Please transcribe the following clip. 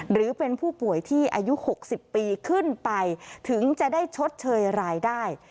หรือเป็นผู้ป่วยที่อายุ๖๐ปีขึ้นไปถึงจะได้ชดเชยรายได้